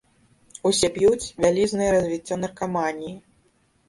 Усе п'юць, вялізнае развіццё наркаманіі.